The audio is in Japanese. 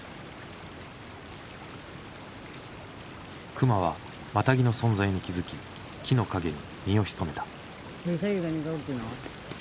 熊はマタギの存在に気付き木の陰に身を潜めた。